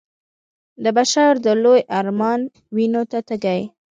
د بشر د لوی ارمان وينو ته تږی